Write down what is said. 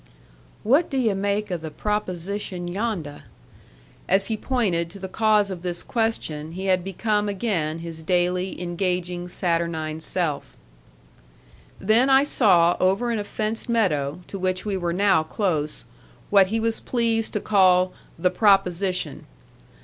"What do yu' make of the proposition yondeh?" As he pointed to the cause of this question he had become again his daily, engaging, saturnine self. Then I saw over in a fenced meadow, to which we were now close, what he was pleased to call "the proposition."